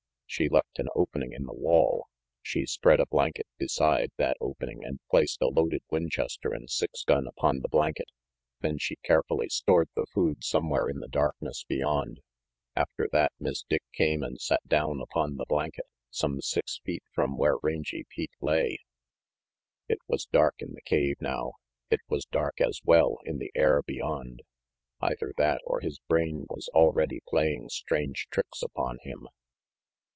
She left an opening in the wall, she spread a blanket beside that opening and placed a loaded Winchester and six gun upon the blanket. Then she carefully stored the food somewhere in the darkness beyond. After that, Miss Dick came and sat down upon the blanket, some six feet from where Rangy Pete lay. It was dark in the cave now. It was dark, as well, in the air beyond. Either that, or his brain was already playing strange tricks upon him.